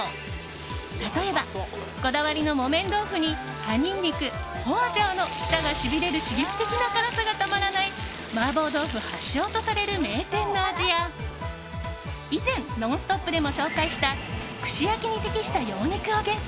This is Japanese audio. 例えば、こだわりの木綿豆腐に葉ニンニクホアジャオの舌がしびれる刺激的な辛さがたまらない麻婆豆腐発祥とされる名店の味や以前、「ノンストップ！」でも紹介した串焼きに適した羊肉を厳選。